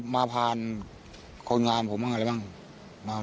ไม่เอาจอบไป